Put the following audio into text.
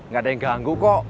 gak ada yang ganggu kok